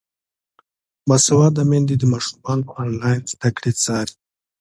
باسواده میندې د ماشومانو انلاین زده کړې څاري.